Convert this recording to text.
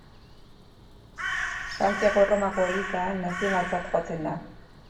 Frantziako Erromako eliza nazionaltzat jotzen da.